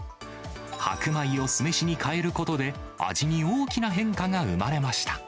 白米を酢飯にかえることで、味に大きな変化が生まれました。